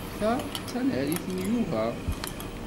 Ta d tanarit n Yuba.